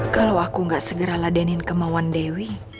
kalau aku gak segera ladenin kemauan dewi